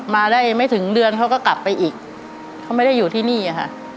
มาได้ไม่ถึงเดือนเขาก็กลับไปอีกเขาไม่ได้อยู่ที่นี่ค่ะ